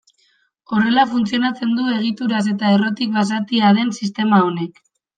Horrela funtzionatzen du egituraz eta errotik basatia den sistema honek.